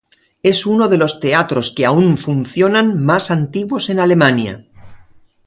Es uno de los teatros que aún funcionan más antiguos en Alemania.